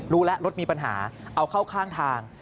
รู้แล้วรถมีปัญหาเอาเข้าข้างทาง